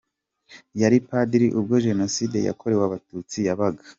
Yari padiri ubwo Jenoside yakorewe Abatutsi yabaga.